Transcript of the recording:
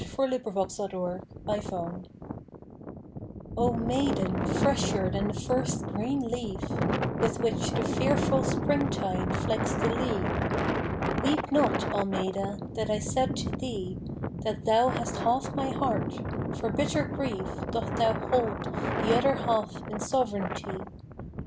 XIII =Love and Sorrow= O maiden, fresher than the first green leaf With which the fearful springtide flecks the lea, Weep not, Almeida, that I said to thee That thou hast half my heart, for bitter grief Doth hold the other half in sovranty.